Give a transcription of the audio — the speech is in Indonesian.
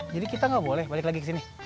jadi kita gak boleh balik lagi kesini